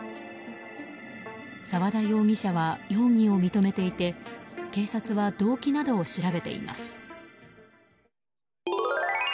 沢田容疑者は容疑を認めていて警察は動機などを調べています。